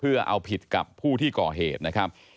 เพื่อเอาผิดกับผู้ที่ก่อเหตุนะครับ